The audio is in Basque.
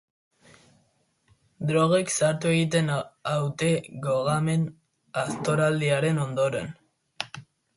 Drogek zahartu egiten haute gogamen-aztoraldiaren ondoren.